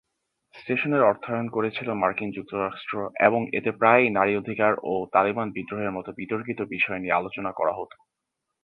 স্টেশনের অর্থায়ন করেছিল মার্কিন যুক্তরাষ্ট্র এবং এতে প্রায়ই নারী অধিকার ও তালিবান বিদ্রোহের মতো বিতর্কিত বিষয় নিয়ে আলোচনা করা হতো।